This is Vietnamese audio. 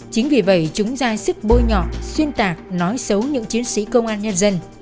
chính vì vậy chúng ra sức bôi nhọ xuyên tạc nói xấu những chiến sĩ công an nhân dân